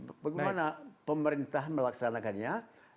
bagaimana pemerintah melaksanakannya